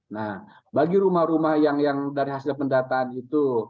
nah bagi rumah rumah yang dari hasil pendataan itu